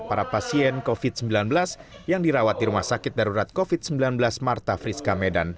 para pasien covid sembilan belas yang dirawat di rumah sakit darurat covid sembilan belas marta friska medan